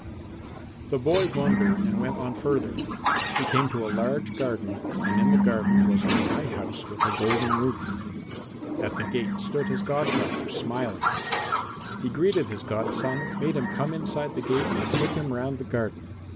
V The boy wondered and went on further. He came to a large garden and in the garden was a high house with a golden roof. At the gate stood his godfather, smiling. He greeted his godson, made him come inside the gate and took him round the garden.